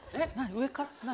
上から何？